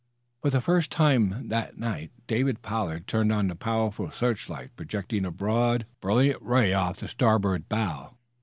For the first time that night David Pollard turned on the powerful searchlight, projecting abroad, brilliant ray off the starboard bow.